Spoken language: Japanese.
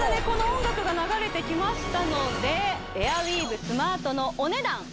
この音楽が流れてきましたのでエアウィーヴスマートのお値段